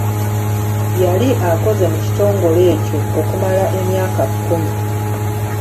Yali akoze mu kitongole ekyo okumala emyaka kkumi!